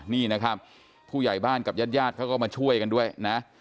นี่นะครับผู้ใหญ่บ้านกับญาติญาติเขาก็มาช่วยกันด้วยนะ